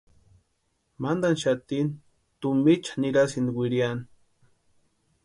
Mantani xatini tumpiicha nirasïnti wiriani.